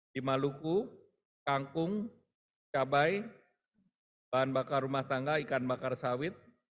di maluku kangkung cabai bahan bakar rumah tangga ikan bakar sawit